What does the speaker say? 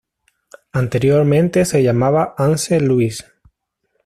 Anteriormente se llamaba Anse Louis.